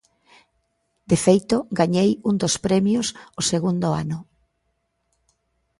De feito, gañei un dos premios o segundo ano.